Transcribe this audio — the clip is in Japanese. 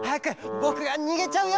ぼくがにげちゃうよ！